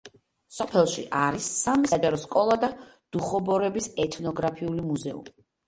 სოფელში არის სამი საჯარო სკოლა და დუხობორების ეთნოგრაფიული მუზეუმი.